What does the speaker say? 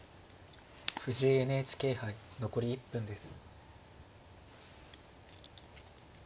藤井ＮＨＫ杯残り１分です。